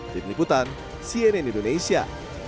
di peniputan cnn indonesia